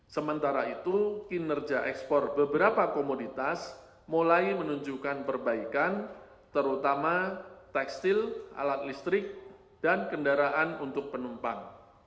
sementara itu kinerja ekspor beberapa komoditas mulai menunjukkan perbaikan terutama tekstil alat listrik dan kendaraan untuk penumpang